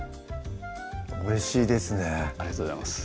おいしいですねありがとうございます